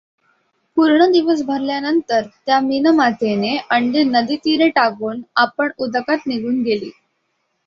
पूर्ण दिवस भरल्यानंतर त्या मिनमातेने अंडे नदीतीरी टाकून आपण उदकात निघून गेली.